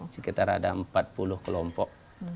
sekitar ada empat puluh kelompok